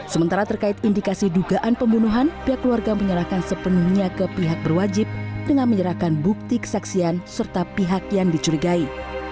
sementara terkait indikasi dugaan pembunuhan pihak keluarga menyerahkan sepenuhnya ke pihak berwajib dengan menyerahkan bukti kesaksian serta pihak yang dicurigai